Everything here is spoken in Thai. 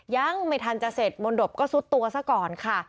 ยังไม่ทันจะเสร็จมนตบก็ซุดตัวซะก่อนค่ะ